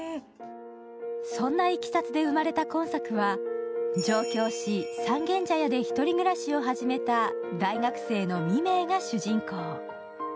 そんないきさつで生まれた今作は、上京し、三軒茶屋で一人暮らしを始めた大学生の未明が主人公。